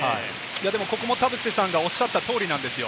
ここも田臥さんがおっしゃった通りなんですよ。